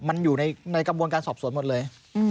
มันอยู่ในกระบวนการสอบสวนหมดเลย